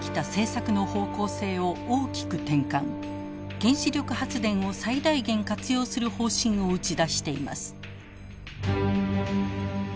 原子力発電を最大限活用する方針を打ち出しています。